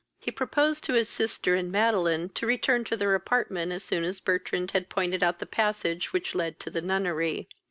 He proposed to his sister and Madeline to return to their apartment as soon as Bertrand had pointed out the passage which led to the nunnery.